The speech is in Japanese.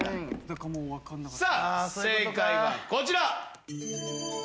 正解はこちら。